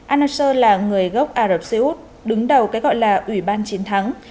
al nusra là người gốc ả rập xê út đứng đầu cái gọi là ủy ban chiến thắng